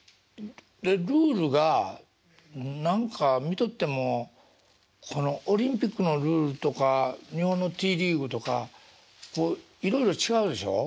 でルールが何か見とってもこのオリンピックのルールとか日本のＴリーグとかこういろいろ違うでしょ？